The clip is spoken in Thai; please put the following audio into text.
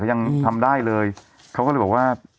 ยังทำได้เลยเขาก็เลยบอกว่า